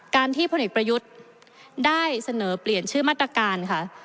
ที่พลเอกประยุทธ์ได้เสนอเปลี่ยนชื่อมาตรการค่ะ